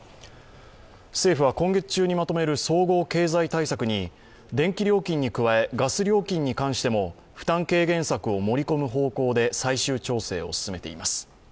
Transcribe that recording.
政府は今月中にまとめる総合経済対策に電気料金に加え、ガス料金に関しても負担軽減策を盛り込む方向で最終調整を進めています。